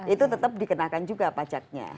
itu tetap dikenakan juga pajaknya